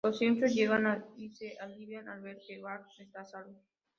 Los Simpson llegan y se alivian al ver que Bart está a salvo.